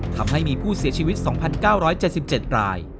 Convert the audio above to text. ทำให้มีผู้เสียชีวิต๒๙๗๗ราย